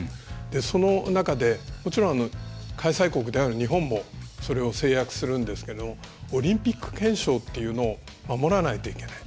その中でもちろん開催国である日本もそれを制約するんですがオリンピック憲章というのを守らないといけない。